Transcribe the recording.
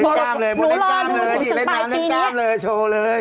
กล้ามเลยมึงเล่นกล้ามเลยนี่เล่นน้ำเล่นกล้ามเลยโชว์เลย